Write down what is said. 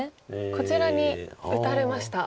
こちらに打たれました。